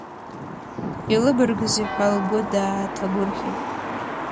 Илыбаргызи ҳәа лгәы дааҭагәырӷьеит.